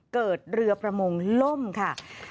เกิดเรือประมงล่มค่ะ